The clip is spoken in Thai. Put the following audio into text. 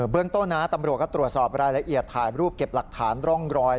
เรื่องต้นนะตำรวจก็ตรวจสอบรายละเอียดถ่ายรูปเก็บหลักฐานร่องรอย